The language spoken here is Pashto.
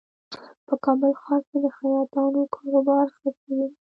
په کابل ښار کې د خیاطانو کاروبار ښه شوی دی